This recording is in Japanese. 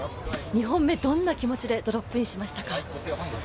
２本目、どんな気持ちでドロップインしましたか？